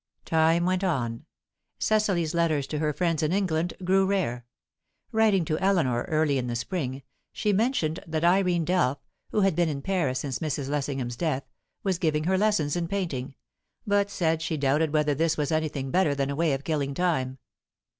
Time went on. Cecily's letters to her friends in England grew rare. Writing to Eleanor early in the spring, she mentioned that Irene Delph, who had been in Paris since Mrs. Lessingham's death, was giving her lessons in painting, but said she doubted whether this was anything better than a way of killing time.